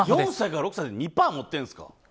４歳から６歳で２％持ってるんですか。